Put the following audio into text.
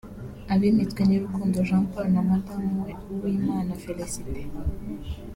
Abimitswe ni Rukundo Jean Paul n’umudamu we Uwimana Félicité